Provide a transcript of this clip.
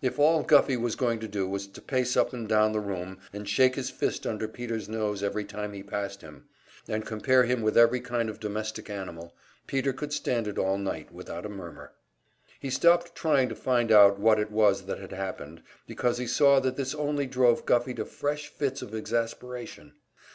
If all Guffey was going to do was to pace up and down the room, and shake his fist under Peter's nose every time he passed him, and compare him with every kind of a domestic animal, Peter could stand it all night without a murmur. He stopped trying to find out what it was that had happened, because he saw that this only drove Guffey to fresh fits of exasperation.